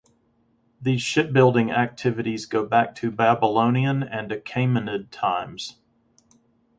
These shipbuilding activities go back to Babylonian and Achaemenid times.